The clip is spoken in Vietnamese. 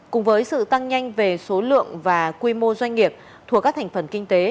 cùng với sự tăng nhanh về số lượng và quy mô doanh nghiệp thuộc các thành phần kinh tế